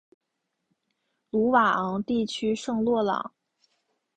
鲁瓦昂地区圣洛朗。